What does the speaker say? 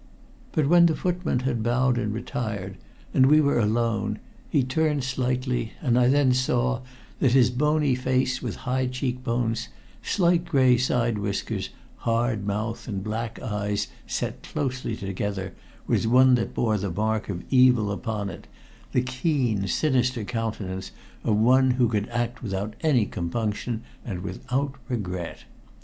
But when the footman had bowed and retired and we were alone, he turned slightly, and I then saw that his bony face, with high cheek bones, slight gray side whiskers, hard mouth and black eyes set closely together, was one that bore the mark of evil upon it the keen, sinister countenance of one who could act without any compunction and without regret.